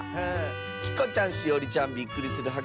きこちゃんしおりちゃんびっくりするはっ